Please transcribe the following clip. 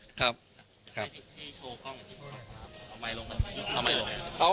อุ่นใจครับ